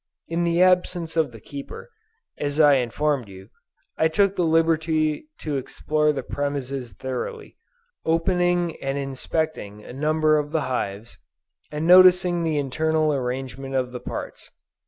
In the absence of the keeper, as I informed you, I took the liberty to explore the premises thoroughly, opening and inspecting a number of the hives, and noticing the internal arrangement of the parts.